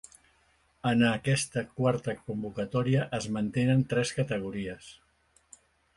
En aquesta quarta convocatòria es mantenen tres categories.